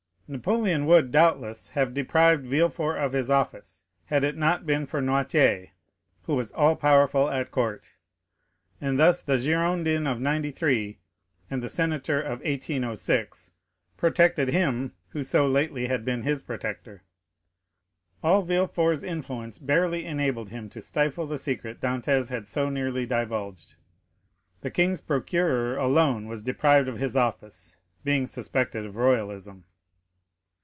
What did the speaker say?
Napoleon would, doubtless, have deprived Villefort of his office had it not been for Noirtier, who was all powerful at court, and thus the Girondin of '93 and the Senator of 1806 protected him who so lately had been his protector. All Villefort's influence barely enabled him to stifle the secret Dantès had so nearly divulged. The king's procureur alone was deprived of his office, being suspected of royalism.